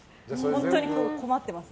本当に困ってます。